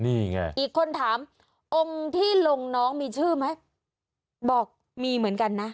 นี่ไงอีกคนถามองค์ที่ลงน้องมีชื่อไหมบอกมีเหมือนกันนะ